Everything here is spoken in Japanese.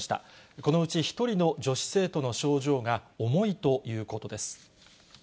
このうち１人の女子生徒の症状が重いということです。